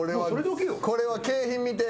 これは景品見て。